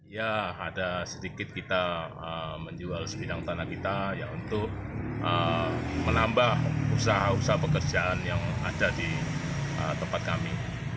ya ada sedikit kita menjual sebidang tanah kita ya untuk menambah usaha usaha pekerjaan yang ada di tempat kami